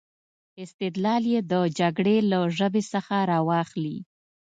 استدلال یې د جګړې له ژبې څخه را واخلي.